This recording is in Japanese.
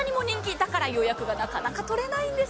だから予約がなかなか取れないんです。